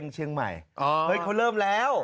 เชียงใหม่เฮ้ยเขาเริ่มแล้ว